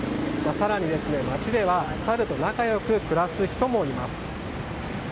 更に、街ではサルと仲良く暮らす人もいます。